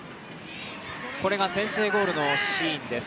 これが先制ゴールのシーンです。